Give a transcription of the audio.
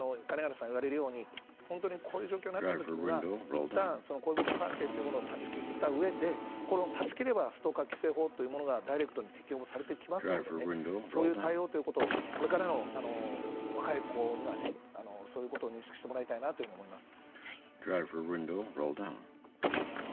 何よりも谷原さんが言われるようにこういう状況になったときにはいったん恋人関係を断ち切った上でこれを断ち切ればストーカー規制法がダイレクトに適用されてくるのでそういう対応というのをこれからの若い子にはそういうことを認識してもらいたいと思います。